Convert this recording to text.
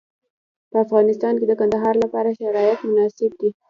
په افغانستان کې د کندهار لپاره شرایط مناسب دي.